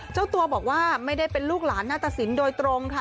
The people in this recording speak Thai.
เจ้าตัวบอกว่าไม่ได้เป็นลูกหลานหน้าตะสินโดยตรงค่ะ